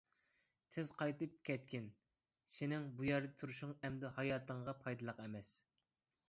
تېز قايتىپ كەتكىن، سېنىڭ بۇ يەردە تۇرۇشۇڭ ئەمدى ھاياتىڭغا پايدىلىق ئەمەس.